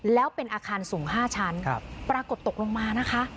แล้วเป็นอาคารสูง๕ชั้นปรากฏตกลงมานะคะ